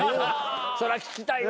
そりゃ聞きたいわ。